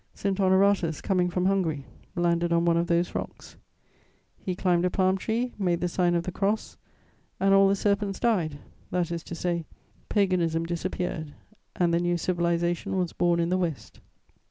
St. Honoratus, coming from Hungary, landed on one of those rocks: he climbed a palm tree, made the sign of the Cross, and all the serpents died, that is to say, paganism disappeared and the new civilization was born in the West.